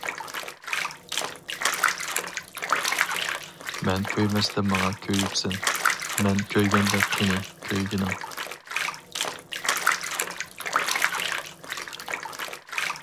مەن كۆيمەستە ماڭا كۆيۈپسەن، مەن كۆيگەندە قېنى كۆيگىنىڭ.